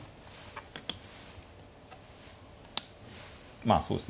まあそうですね。